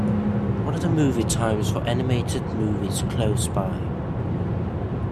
what are the movie times for animated movies close by